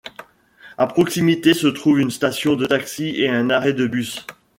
À proximité se trouvent une station de taxi et un arrêt de bus.